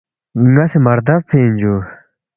”ن٘ا سی مہ ردَبفی اِن جُو